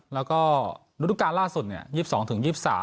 แล้วก็นุฐกาลล่าสุด๒๒๒๓